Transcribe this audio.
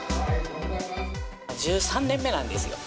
１３年目なんですよ。